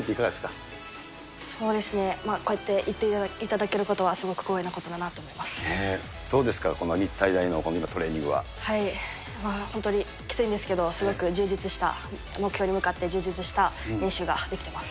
そうですね、まあ、こうやって言っていただけることは、すごく光栄なことだなと思いどうですか、この日体大のト本当にきついんですけど、すごく充実した、目標に向かって充実した練習ができてます。